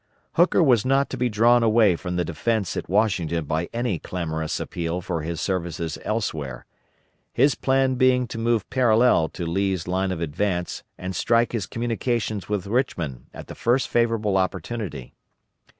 Hooker was not to be drawn away from the defence at Washington by any clamorous appeal for his services elsewhere; his plan being to move parallel to Lee's line of advance and strike his communications with Richmond at the first favorable opportunity.